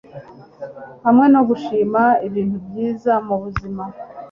hamwe no gushima ibintu byiza mubuzima